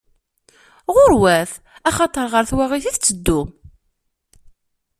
Ɣur-wat, axaṭer ɣer twaɣit i tetteddum!